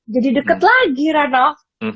jadi deket lagi run off